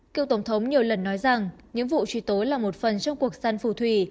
cựu tổng thống nhiều lần nói rằng những vụ truy tối là một phần trong cuộc săn phù thủy